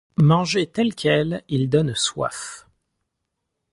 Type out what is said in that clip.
Mangé tel quel, il donne soif.